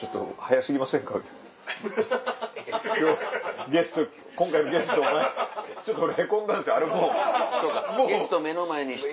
そうかゲスト目の前にして。